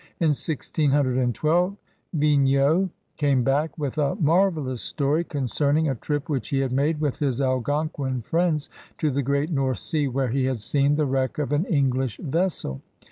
In 1612 Vignau came back with a marvelous story concerning a trip which he had made with his Algonquin friends to the Great North Sea where he had seen the wreck of an English vessel.